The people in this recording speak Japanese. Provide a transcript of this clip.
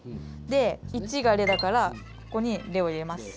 で１が「れ」だからここに「れ」を入れます。